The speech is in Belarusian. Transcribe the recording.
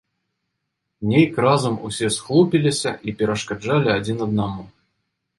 Нейк разам усе схлупіліся і перашкаджалі адзін аднаму.